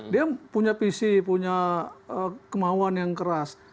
dia punya visi punya kemauan yang keras